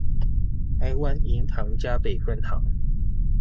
臺灣銀行嘉北分行